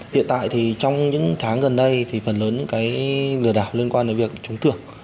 hiện tại trong những tháng gần đây phần lớn lừa đảo liên quan đến việc trúng thưởng